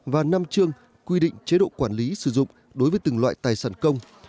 và năm chương quy định chế độ quản lý sử dụng đối với từng loại tài sản công